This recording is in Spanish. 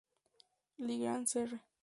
Le Grand-Serre